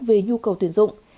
về nhu cầu tuyển dụng